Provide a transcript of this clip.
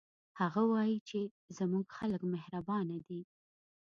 هغه وایي چې زموږ خلک مهربانه دي